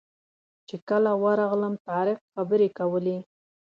چې کله ورغلم طارق خبرې کولې.